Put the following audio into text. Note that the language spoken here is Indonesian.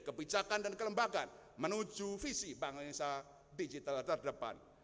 kebijakan dan kelembagaan menuju visi bangsa digital terdepan